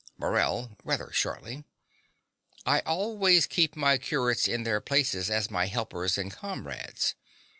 MORELL (rather shortly). I always keep my curates in their places as my helpers and comrades.